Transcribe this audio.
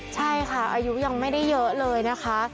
ใช่ค่ะอายุยังไม่ได้เยอะเลยนะคะ